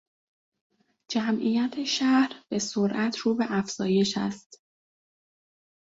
جمعیت شهر به سرعت رو به افزایش است.